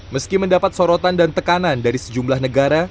meski mendapat sorotan dan tekanan dari sejumlah negara